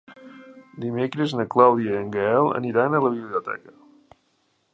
Dimecres na Clàudia i en Gaël aniran a la biblioteca.